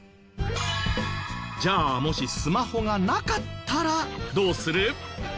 じゃあもしスマホがなかったらどうする？